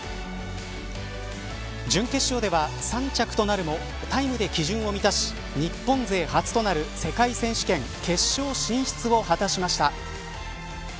準決勝では、３着となるもタイムで基準を満たし日本勢初となる世界選手権決勝進出を果たしました。